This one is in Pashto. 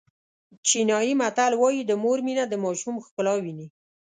چینایي متل وایي د مور مینه د ماشوم ښکلا ویني.